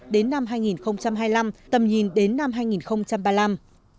đến năm hai nghìn hai mươi năm tầm nhìn đến năm hai nghìn ba mươi năm